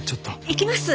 行きます。